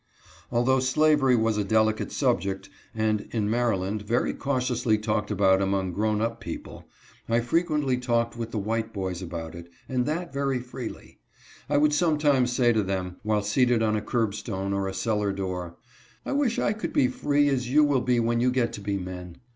Although slavery was a delicate subject and, in Mary land, very cautiously talked about among grown up peo ple, [ frequently talked with the white boys about it, and that very freely. I would sometimes say to them, while seated on a curbstone or a cellar door, " I wish I could be free, as you will be when you get to be men."